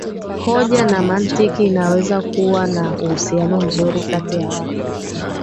hoja na mantiki inaweza kuwa na uhusiano mzuri kati ya watu